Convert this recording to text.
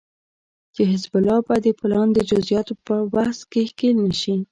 چې حزب الله به د پلان د جزياتو په بحث کې ښکېل نشي